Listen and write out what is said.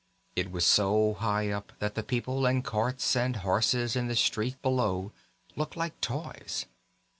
It was so high up that the people and carts and horses in the street below looked like toys.